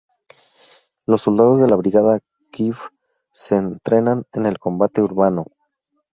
Los soldados de la Brigada Kfir se entrenan en el combate urbano.